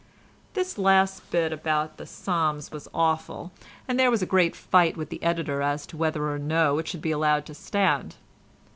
This last bit about the Psalms was awful, and there was a great fight with the editor as to whether or no it should be allowed to stand.